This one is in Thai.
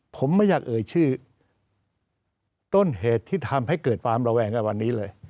ผมไม่อยากเอ่ยชื่อต้นเหตุที่ทำให้เกิดความระแวงกับวันนี้เลย